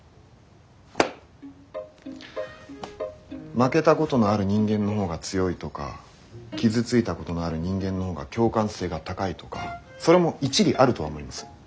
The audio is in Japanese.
負けたことのある人間の方が強いとか傷ついたことのある人間の方が共感性が高いとかそれも一理あるとは思います。